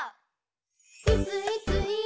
「いついついー